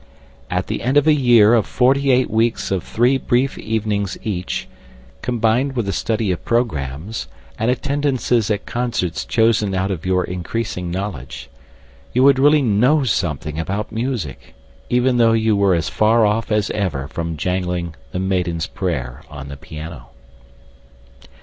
At the end of a year of forty eight weeks of three brief evenings each, combined with a study of programmes and attendances at concerts chosen out of your increasing knowledge, you would really know something about music, even though you were as far off as ever from jangling "The Maiden's Prayer" on the piano.